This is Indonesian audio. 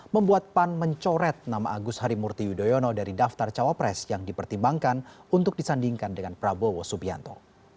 membuat pan mencoret nama agus harimurti yudhoyono dari daftar cawapres yang dipertimbangkan untuk disandingkan dengan prabowo subianto